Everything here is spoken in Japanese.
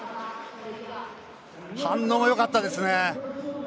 反応、よかったですね。